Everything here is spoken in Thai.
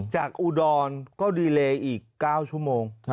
อุดรก็ดีเลอีก๙ชั่วโมง